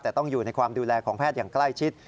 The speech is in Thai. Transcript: แต่ต้องอยู่ในความดูแลของแพทย์อย่างใกล้ชิด